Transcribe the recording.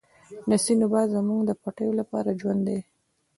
د سیند اوبه زموږ د پټیو لپاره ژوند دی.